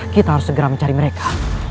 kita harus segera mencari mereka